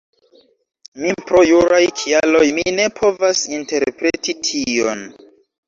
Mi, pro juraj kialoj mi ne povas interpreti tion